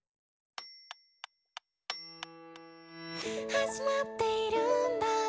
「始まっているんだ